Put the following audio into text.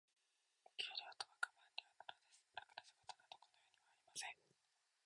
お給料とはガマン料なのです。楽な仕事など、この世にはありません。